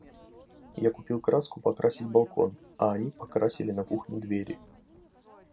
Я купил краску покрасить балкон, а они покрасили на кухне двери.